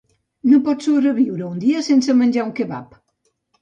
No pot sobreviure un dia sense menjar un kebab.